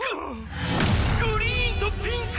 グリーンとピンク！？